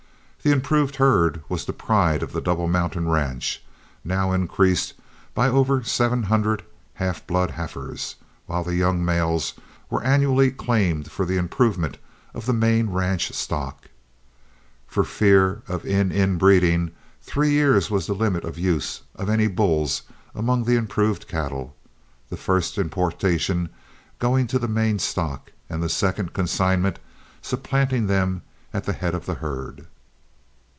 The improved herd was the pride of the Double Mountain ranch, now increased by over seven hundred half blood heifers, while the young males were annually claimed for the improvement of the main ranch stock. For fear of in and in breeding, three years was the limit of use of any bulls among the improved cattle, the first importation going to the main stock, and a second consignment supplanting them at the head of the herd.